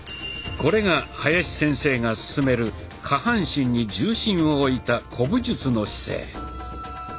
これが林先生が勧める下半身に重心を置いた「古武術の姿勢」。